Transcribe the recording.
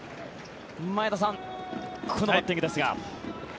前田さんこのバッティングですが。